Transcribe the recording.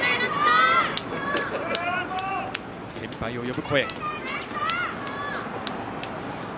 先輩を呼ぶ声。